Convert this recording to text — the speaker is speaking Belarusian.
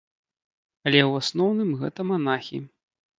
Але ў асноўным гэта манахі.